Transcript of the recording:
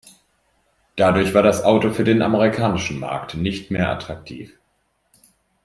Dadurch war das Auto für den amerikanischen Markt nicht mehr attraktiv.